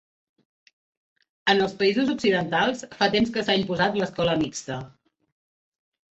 En els països occidentals fa temps que s'ha imposat l'escola mixta.